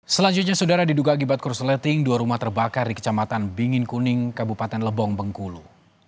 selanjutnya saudara diduga akibat korsleting dua rumah terbakar di kecamatan bingin kuning kabupaten lebong bengkulu